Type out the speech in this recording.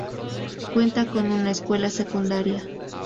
Cuenta con una escuela secundaria.